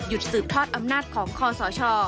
สืบทอดอำนาจของคอสช